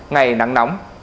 ngày nắng nóng